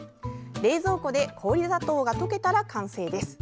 冷蔵庫で氷砂糖が溶けたら完成です。